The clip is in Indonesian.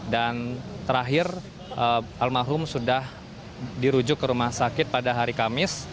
dan terakhir almarhum sudah dirujuk ke rumah sakit pada hari kamis